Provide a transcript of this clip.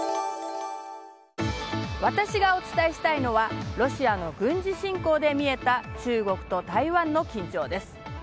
私がお伝えしたいのはロシアの軍事侵攻で見えた中国と台湾の緊張です。